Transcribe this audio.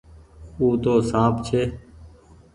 او تو سانپ ڇي۔